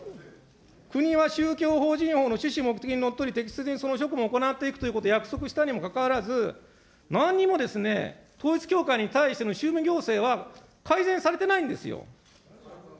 国は宗教法人法の趣旨目的にのっとり、適切にその職務を行っていくということを約束したにもかかわらず、なんにもですね、統一教会に対しての宗務行政は改善されてないんですよ。